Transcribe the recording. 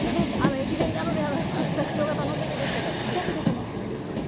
駅弁などで頂くのが楽しみでしたが自宅で楽しめるという。